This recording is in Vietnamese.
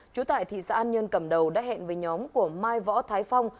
chú tại thị xã an nhân cầm đầu đã hẹn với nhóm của mai võ thái phong